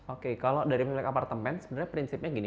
oke kalau dari pemilik apartemen sebenarnya prinsipnya gini